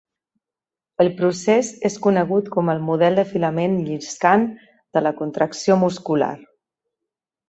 El procés es conegut com el model de filament lliscant de la contracció muscular.